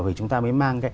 thì chúng ta mới mang